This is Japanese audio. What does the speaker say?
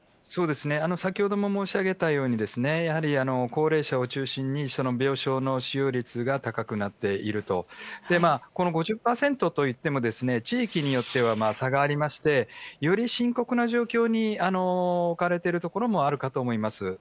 先ほども申し上げたように、やはり高齢者を中心に、その病床の使用率が高くなっていると、この５０％といっても、地域によっては差がありまして、より深刻な状況に置かれている所もあるかと思います。